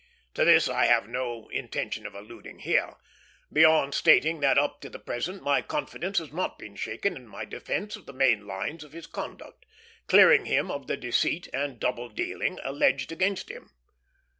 To this I have no intention of alluding here, beyond stating that up to the present my confidence has not been shaken in my defence of the main lines of his conduct, clearing him of the deceit and double dealing alleged against him.